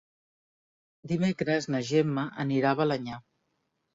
Dimecres na Gemma anirà a Balenyà.